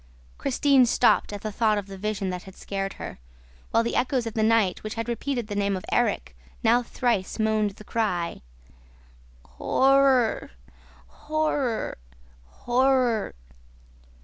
Christine stopped, at the thought of the vision that had scared her, while the echoes of the night, which had repeated the name of Erik, now thrice moaned the cry: "Horror! ... Horror! ... Horror!"